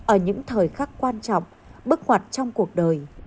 ở những thời khắc quan trọng bức hoạt trong cuộc đời